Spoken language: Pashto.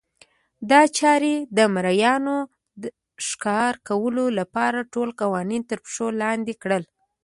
دا چارې د مریانو ښکار کولو لپاره ټول قوانین ترپښو لاندې کړل.